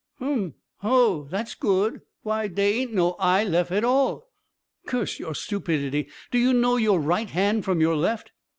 "Hum! hoo! dat's good! why dey ain't no eye lef at all." "Curse your stupidity! do you know your right hand from your left?"